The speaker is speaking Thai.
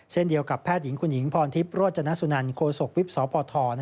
เช่นเดียวกับแพทย์หญิงคุณหญิงพรทิพย์โรจนสุนันโคศกวิบสปท